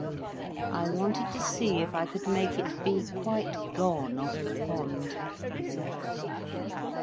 "I wanted to see if I could make it be quite gone off the pond," he said.